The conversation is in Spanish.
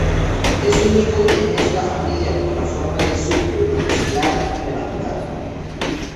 Es único en esta familia por la forma de su premaxilar levantado.